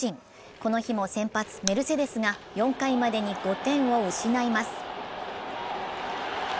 この日も先発・メルセデスが４回までに５点を失います。